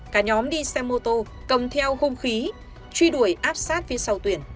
cả nhóm đi xe mô tô cầm theo hung khí truy đuổi áp sát phía sau tuyển